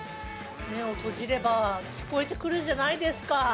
目を閉じれば聞こえて来るじゃないですか。